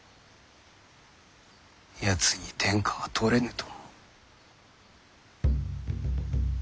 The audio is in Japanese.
やつに天下は取れぬと思う。